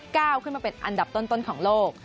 ก้าวขึ้นมาเป็นอันดับต้นของโลก